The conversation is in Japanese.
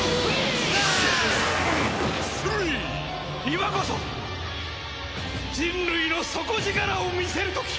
今こそ人類の底力を見せる時！